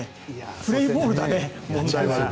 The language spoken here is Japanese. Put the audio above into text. プレーボールだね、問題は。